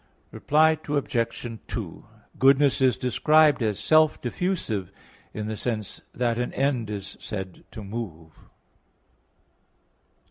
Reply Obj. 2: Goodness is described as self diffusive in the sense that an end is said to move.